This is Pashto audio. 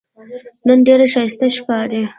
نن ډېره ښایسته ښکارې